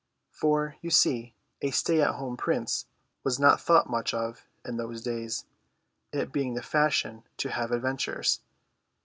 For, you see, a stay at home prince was not thought much of in those days, it being the fashion to have adventures.